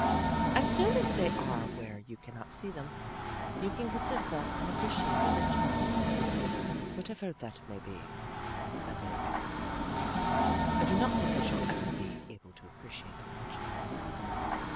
As soon as they are where you can not see them, you can consider them and appreciate their richness." "Whatever they may be," I made answer, "I do not think I shall ever be able to appreciate their richness."